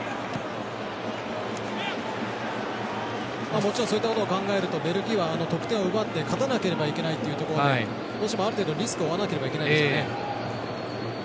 もちろん、そういったことを考えるとベルギーは得点を奪って勝たなければいけないというところである程度のリスクを負わなければいけないですよね。